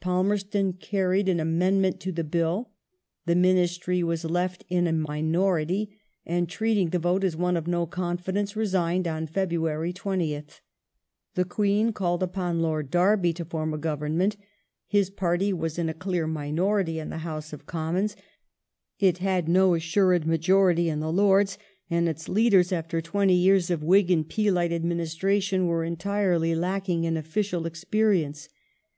Palmerston cai ried an amendment to the Bill, the Ministry was left in a minority, and, ti'eating the vote as one of no confidence, resigned on Febi*uary 20th. The Queen called upon Lord Derby to form a Government. "^^^ fi'^st His party was in a clear minority in the House of Commons ; it had Ministry, no assured majority in the Lords, and its leaders, after twenty years ^^^^° of Whig and Peelite administration, were entirely lacking in official experience.